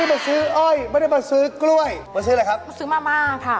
มาซื้ออะไรครับมาซื้อมาม่าค่ะ